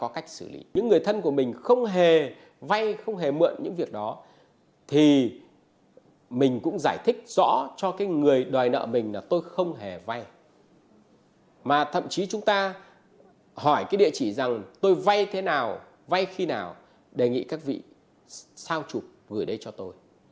chúng ta thích rõ cho người đòi nợ mình là tôi không hề vay mà thậm chí chúng ta hỏi địa chỉ rằng tôi vay thế nào vay khi nào đề nghị các vị sao trục gửi đây cho tôi